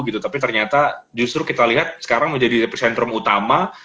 ternyata justru kita lihat sekarang menjadi representer utama